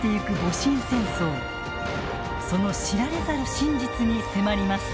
その知られざる真実に迫ります。